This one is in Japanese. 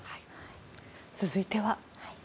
続いては。